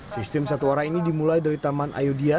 sistem satu arah ini dimulai dari taman ayudya